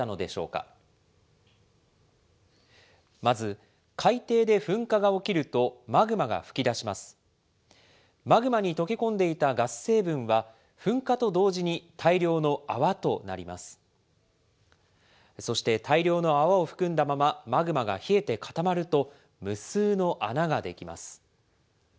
そして大量の泡を含んだまま、マグマが冷えて固まると、無数の穴が出来ます。